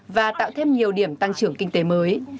và tạo thêm nhiều điểm tăng trưởng kinh tế mới